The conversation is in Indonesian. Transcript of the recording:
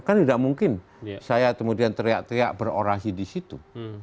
kan tidak mungkin saya kemudian teriak teriak berorasi di situ